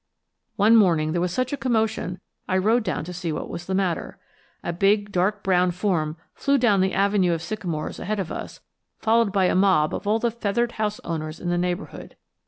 One morning there was such a commotion I rode down to see what was the matter. A big dark brown form flew down the avenue of sycamores ahead of us, followed by a mob of all the feathered house owners in the neighborhood.